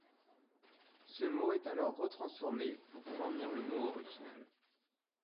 Ce mot est alors retransformé pour fournir le mot original.